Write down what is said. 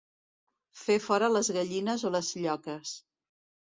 Fer fora les gallines o les lloques.